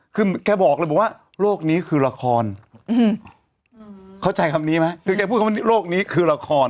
คือแกบอกเลยบอกว่าโลกนี้คือละครเข้าใจคำนี้ไหมคือแกพูดคำว่าโลกนี้คือละคร